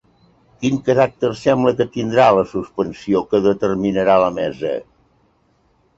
Quin caràcter sembla que tindrà la suspensió que determinarà la mesa?